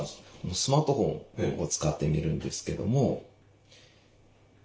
スマートフォンを使ってみるんですけども。